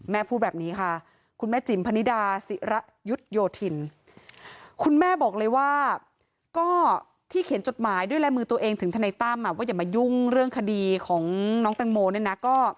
พูดแบบนี้ค่ะคุณแม่จิ๋มพนิดาศิระยุทธโยธินคุณแม่บอกเลยว่าก็ที่เขียนจดหมายด้วยลายมือตัวเองถึงทนายตั้มว่าอย่ามายุ่งเรื่องคดีของน้องแตงโมเนี่ยนะ